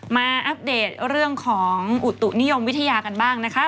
อัปเดตเรื่องของอุตุนิยมวิทยากันบ้างนะคะ